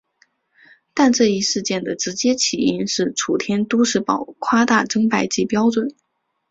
但这一事件的直接起因是楚天都市报夸大增白剂标准。